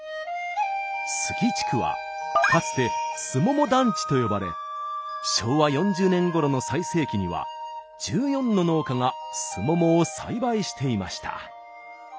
杉地区はかつて「すもも団地」と呼ばれ昭和４０年ごろの最盛期には１４の農家がすももを栽培していました。